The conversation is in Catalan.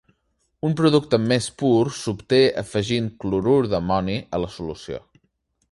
Un producte més pur s’obté afegint clorur d’amoni a la solució.